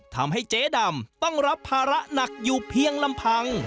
ทำให้เจ๊ดำต้องรับภาระหนักอยู่เพียงลำพัง